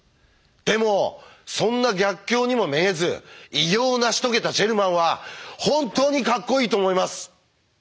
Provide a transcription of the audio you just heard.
でもそんな逆境にもめげず偉業を成し遂げたジェルマンは本当にかっこいいと思います！